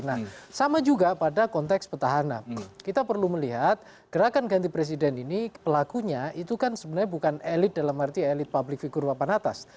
nah sama juga pada konteks petahana kita perlu melihat gerakan ganti presiden ini pelakunya itu kan sebenarnya bukan elit dalam arti elit publik figur papan atas